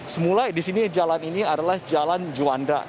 semula di sini jalan ini adalah jalan juanda